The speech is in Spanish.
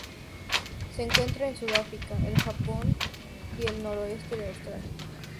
Se encuentran en Sudáfrica, el Japón y el noroeste de Australia.